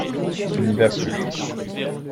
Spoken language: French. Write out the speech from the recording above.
N’y va plus.